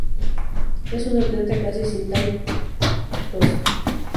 Es una planta casi sin tallo, rizomatosa.